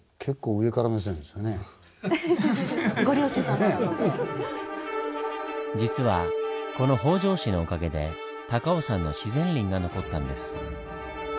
なんか実はこの北条氏のおかげで高尾山の自然林が残ったんです。